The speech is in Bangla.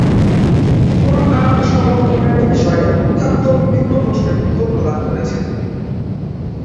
কুরআন সংরক্ষণের বিষয়ে উত্থাপিত বিভিন্ন প্রশ্নের উত্তর প্রদান করেছেন।